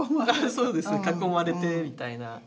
そうです囲まれてみたいな。